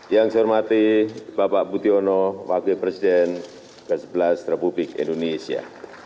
yang saya hormati bapak butiono wakil presiden ke sebelas republik indonesia